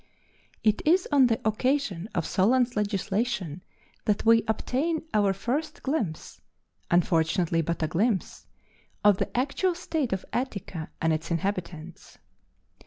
It is on the occasion of Solon's legislation that we obtain our first glimpse unfortunately but a glimpse of the actual state of Attica and its inhabitants.